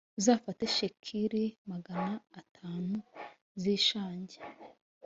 uzafate shekeli magana atanu z’ ishangi